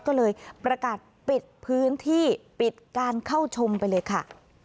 ก็เลยประกาศปิดพื้นที่ปิดการเข้าชมไปเลยค่ะ